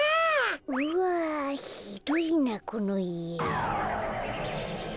うわひどいなこのいえ。